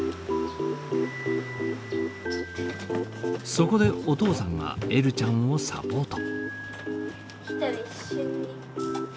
そこでお父さんがえるちゃんをサポート。